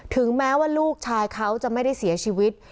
ถึงแม้ว่าลูกชายเขาจะไม่ได้เสียชีวิต